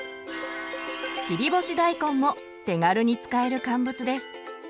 切り干し大根も手軽に使える乾物です。